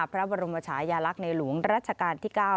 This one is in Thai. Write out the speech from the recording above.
พระบรมชายาลักษณ์ในหลวงรัชกาลที่๙